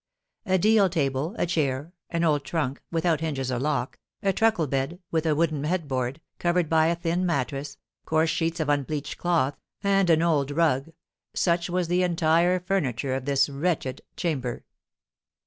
A deal table, a chair, an old trunk, without hinges or lock, a truckle bed, with a wooden headboard, covered by a thin mattress, coarse sheets of unbleached cloth, and an old rug, such was the entire furniture of this wretched chamber.